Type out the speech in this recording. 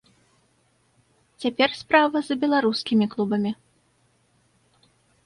Цяпер справа за беларускімі клубамі.